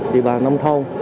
địa bàn nông thôn